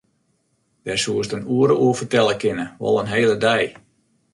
Dêr soest in oere oer fertelle kinne, wol in hele dei.